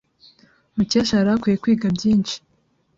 Mukesha yari akwiye kwiga byinshi.